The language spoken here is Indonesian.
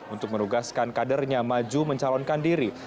untuk menugaskan kadernya maju mencalonkan diri